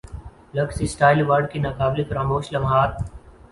looks style award کے ناقابل فراموش لمحات